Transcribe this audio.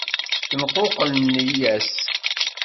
Tenquqel nneyya-s.